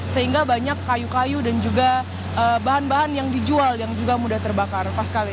sehingga banyak kayu kayu dan juga bahan bahan yang dijual yang juga mudah terbakar